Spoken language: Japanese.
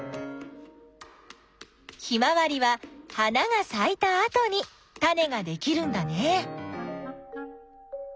ヒマワリは花がさいたあとにタネができるんだね。